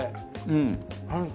うん。